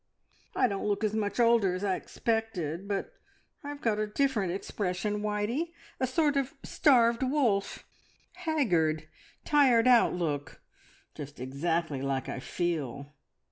"I don't look as much older as I expected, but I've got a different expression, Whitey a sort of starved wolf, haggard, tired out look, just exactly like I feel.